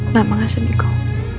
mama gak sedih kok